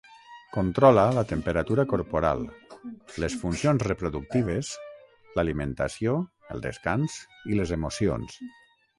Controla la temperatura corporal, les funcions reproductives, l'alimentació, el descans i les emocions.